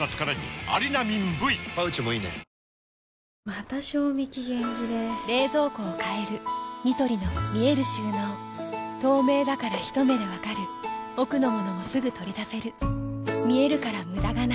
また賞味期限切れ冷蔵庫を変えるニトリの見える収納透明だからひと目で分かる奥の物もすぐ取り出せる見えるから無駄がないよし。